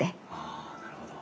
あなるほど。